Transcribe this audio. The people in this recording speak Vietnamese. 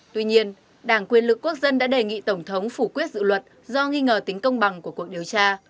tuy nhiên đảng quyền lực quốc dân đã đề nghị tổng thống phủ quyết dự luật do nghi ngờ tính công bằng của cuộc điều tra